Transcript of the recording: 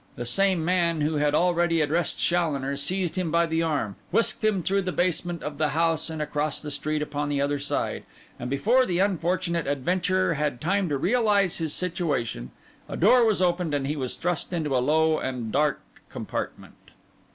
The same man who had already addressed Challoner seized him by the arm; whisked him through the basement of the house and across the street upon the other side; and before the unfortunate adventurer had time to realise his situation, a door was opened, and he was thrust into a low and dark compartment.